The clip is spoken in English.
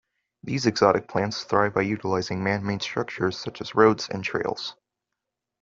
These exotic plants thrive by utilizing manmade structures such as roads and trails.